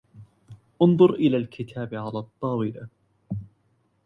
أنظر إلى الكتاب على الطاولة.